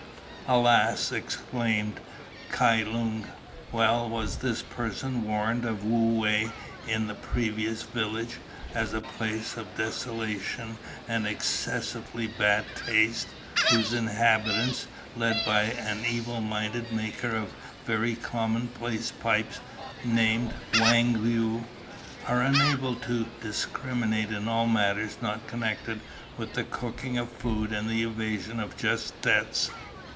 "Alas!" exclaimed Kai Lung, "well was this person warned of Wu whei in the previous village, as a place of desolation and excessively bad taste, whose inhabitants, led by an evil minded maker of very commonplace pipes, named Wang Yu, are unable to discriminate in all matters not connected with the cooking of food and the evasion of just debts.